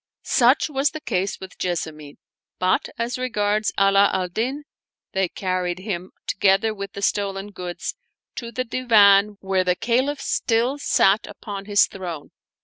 Such was the case with Jessamine; but as regards Ala al Din, they carried him, together with the stolen goods, to the Divan where the Caliph still sat upon hik throne.